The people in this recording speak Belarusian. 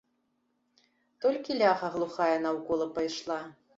Толькі ляха глухая наўкола пайшла.